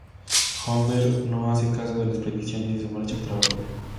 Homer no hace caso de las predicciones y se marcha al trabajo.